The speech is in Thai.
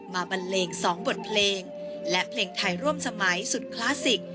บันเลง๒บทเพลงและเพลงไทยร่วมสมัยสุดคลาสสิก